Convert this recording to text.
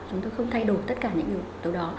chúng tôi không thay đổi tất cả những điều đó